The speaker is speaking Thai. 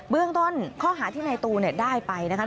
เบื้องต้นข้อหาที่ในตูน่ะได้ไปนะครับ